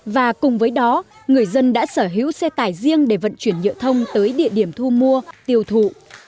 và cùng với đó người dân đã sở hữu xe tải riêng để vận chuyển nhựa thông tới địa điểm thu mua tiêu thụ